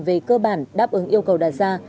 về cơ bản đáp ứng yêu cầu đạt ra